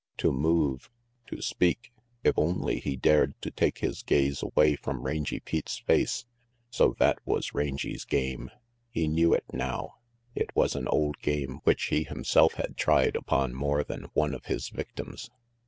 To move! To speak! If only he dared to take his gaze away from Rangy Pete's face. So that was Rangy's game. He knew it now. It was an old game which he himself had tried upon more than one of his victims.